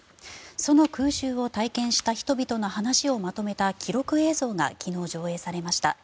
その空襲を体験した人々の話をまとめた記録映像が昨日、上映されました。